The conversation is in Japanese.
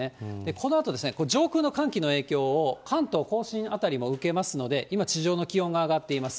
このあと、この上空の寒気の影響を関東甲信辺りも受けますので、今、地上の気温が上がっています。